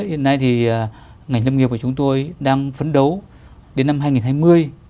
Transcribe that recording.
hiện nay thì ngành lâm nghiệp của chúng tôi đang phấn đấu đến năm hai nghìn hai mươi